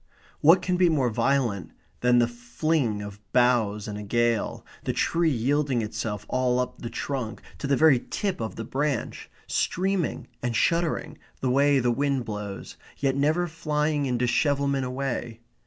What can be more violent than the fling of boughs in a gale, the tree yielding itself all up the trunk, to the very tip of the branch, streaming and shuddering the way the wind blows, yet never flying in dishevelment away?